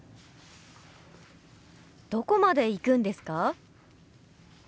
どこまで行くんですか？